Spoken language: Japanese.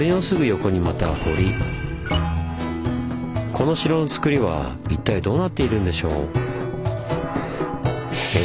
この城のつくりは一体どうなっているんでしょう？